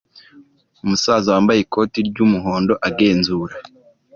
Umusaza wambaye ikoti ry'umuhondo agenzura